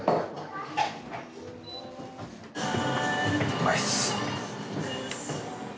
うまいっす。